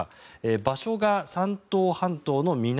場所が山東半島の南。